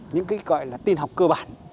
những cái gọi là tin học cơ bản